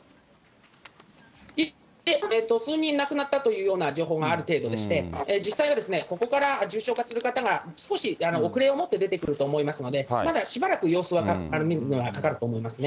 数人亡くなったというような情報がある程度でして、実際は、ここから重症化する方が少し遅れを持って出てくると思いますので、まだしばらく、様子を見るのにかかると思いますね。